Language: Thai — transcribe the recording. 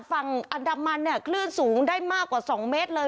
ฝั่งอันดามันเนี่ยคลื่นสูงได้มากกว่า๒เมตรเลย